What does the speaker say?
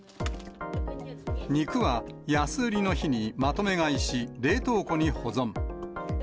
肉は安売りの日にまとめ買いし、冷凍庫に保存。